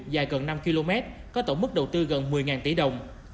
dài gần năm km có tổng mức đầu tư gần một mươi tỷ đồng